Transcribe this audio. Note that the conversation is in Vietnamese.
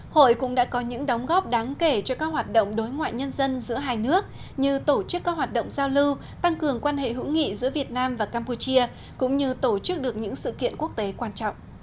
hội cũng đã có những đóng góp đáng kể cho các hoạt động đối ngoại nhân dân giữa hai nước như tổ chức các hoạt động giao lưu tăng cường quan hệ hữu nghị giữa việt nam và campuchia cũng như tổ chức được những sự kiện quốc tế quan trọng